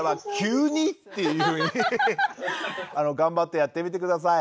頑張ってやってみて下さい。